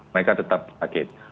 mereka tetap sakit